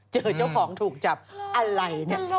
เจอเจ้าของถูกจับอะไรเนี่ย